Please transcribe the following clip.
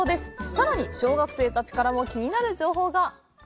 さらに、小学生たちからも気になる情報が！